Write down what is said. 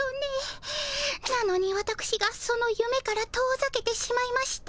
なのにわたくしがそのゆめから遠ざけてしまいました。